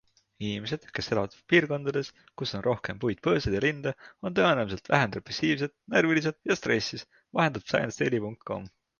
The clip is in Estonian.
Inimesed, kes elavad piirkondades, kus on rohkem puid-põõsaid ja linde, on tõenäolisemalt vähem depressiivsed, närvilised ja stressis, vahendab ScienceDaily.com.